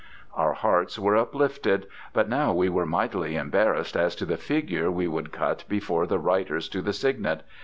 Our hearts were uplifted, but now we were mightily embarrassed as to the figure we would cut before the Writers to the Signet.